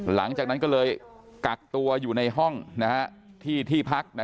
หลังจากนั้นก็เลยกักตัวอยู่ในห้องที่พัก